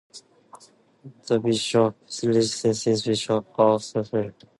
The bishop's residence is Bishop's House, Gosforth.